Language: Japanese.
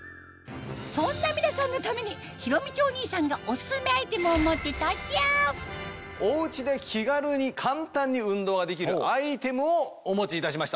そんな皆さんのために弘道お兄さんがオススメアイテムを持って登場お家で気軽に簡単に運動ができるアイテムをお持ちいたしました。